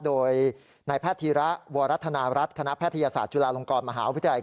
โดยนายแพทย์ธีระวรธนารัฐคณะแพทยศาสตร์จุฬาลงกรมหาวิทยาลัย